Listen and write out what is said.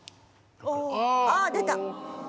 あぁ出た！